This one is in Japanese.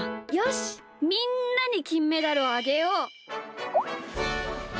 よしみんなにきんメダルをあげよう！